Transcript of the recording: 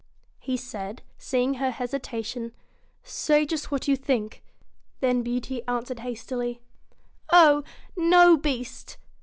He said, seeing her hesitation :' Say just what you think.' Then Beauty answered hastily, 'Oh ! no, Beast